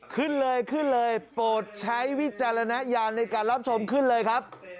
ขึ้นเลยขึ้นเลยโปรดใช้วิจารณญาณในการรับชมขึ้นเลยครับ